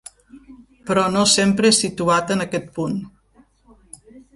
Però no sempre situat en aquest punt.